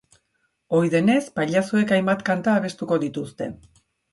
Ohi denez, pailazoek hainbat kanta abestuko dituzte.